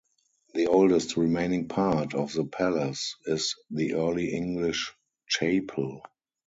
The oldest remaining part of the palace is the Early English chapel.